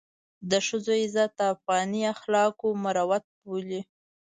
د ښځو عزت د افغاني اخلاقو مروت بولي.